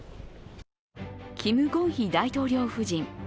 キム・ゴンヒ大統領夫人。